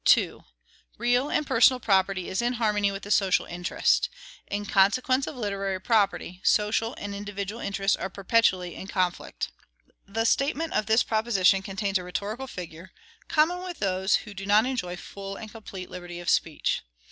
2. Real and personal property is in harmony with the social interest. In consequence of literary property, social and individual interests are perpetually in conflict. The statement of this proposition contains a rhetorical figure, common with those who do not enjoy full and complete liberty of speech.